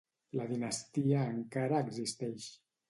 La dinastia encara existeix.